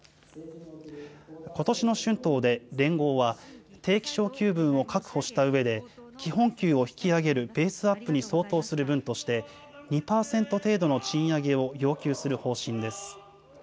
ことしの春闘で連合は、定期昇給分を確保したうえで、基本給を引き上げるベースアップに相当する分として、２％程度の賃上げを要求する方針です。